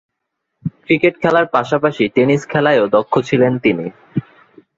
Cricket খেলার পাশাপাশি tennis খেলায়ও দক্ষ ছিলেন তিনি।